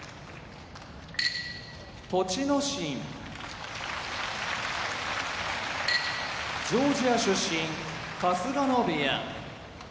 栃ノ心ジョージア出身春日野部屋